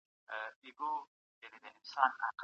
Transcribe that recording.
ساده ژبه د ټولو لپاره د پوهېدو وړ ده.